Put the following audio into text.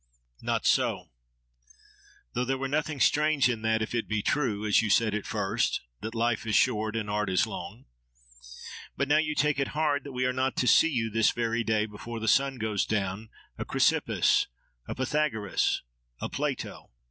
—Not so! Though there were nothing strange in that, if it be true, as you said at first, that Life is short and art is long. But now you take it hard that we are not to see you this very day, before the sun goes down, a Chrysippus, a Pythagoras, a Plato.